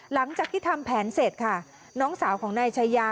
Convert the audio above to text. หลังจากที่ทำแผนเสร็จค่ะน้องสาวของนายชายา